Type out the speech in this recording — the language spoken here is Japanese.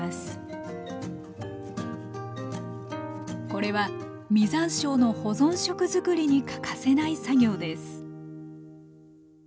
これは実山椒の保存食作りに欠かせない作業です